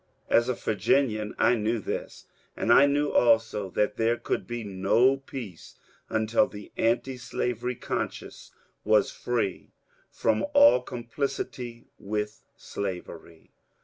As a Virginian I knew this ; and I knew also that there could be no peace until the antislavery con science was free from all complicity with slavery.